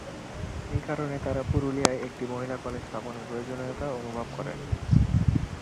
এই কারণে তাঁরা পুরুলিয়ায় একটি মহিলা কলেজ স্থাপনের প্রয়োজনীয়তা অনুভব করেন।